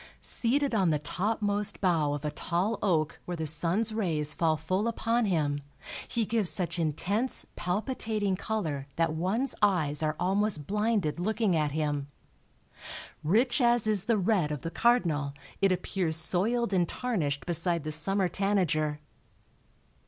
Seated on the topmost bough of a tall oak, where the sun's rays fall full upon him, he gives such intense, palpitating color that one's eyes are almost blinded looking at him. Rich as is the red of the cardinal it appears soiled and tarnished beside the summer tanager.